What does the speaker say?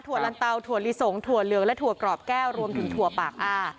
ลันเตาถั่วลิสงถั่วเหลืองและถั่วกรอบแก้วรวมถึงถั่วปากอ้า